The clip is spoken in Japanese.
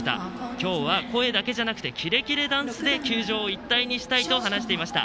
今日は、声だけじゃなくてキレキレダンスで球場を一体にしたいと話していました。